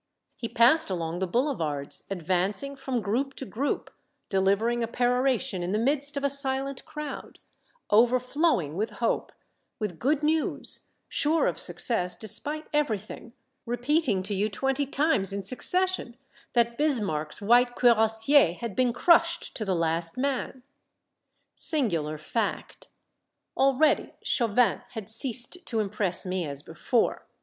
He passed along the boulevards, advancing from group to group, delivering a peroration in the midst of a silent crowd, — overflowing with hope, with good news, sure of success despite everything, repeating to you twenty times in succession that Bismarck's white cuirassiers had been crushed to the last man ! Singular fact. Already Chauvin had ceased to impress me as before.